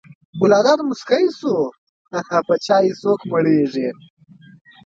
ګلداد موسکی شو: په چایو څوک مړېږي.